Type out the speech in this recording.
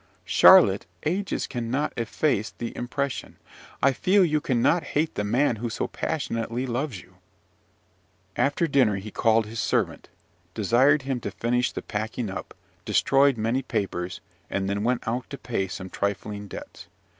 Charlotte, ages cannot efface the impression I feel you cannot hate the man who so passionately loves you!" After dinner he called his servant, desired him to finish the packing up, destroyed many papers, and then went out to pay some trifling debts.